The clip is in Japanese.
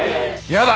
やだ